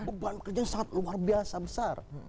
beban kerja yang sangat luar biasa besar